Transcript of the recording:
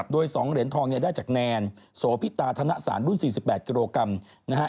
โดย๒เหรียญทองได้จากแนนโสพิตาธนสารรุ่น๔๘กิโลกรัมนะฮะ